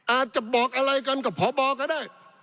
อาจจะบอกอะไรกันกับพบก็ได้